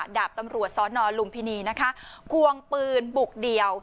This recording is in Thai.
ดาบตำรวจสนลุมพินีนะคะควงปืนบุกเดี่ยว